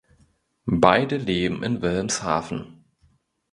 Beide leben in Wilhelmshaven.